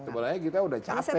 sebenarnya kita sudah capek